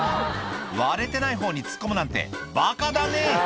割れてない方に突っ込むなんてバカだね